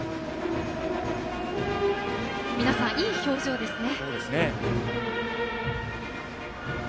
皆さん、いい表情ですね。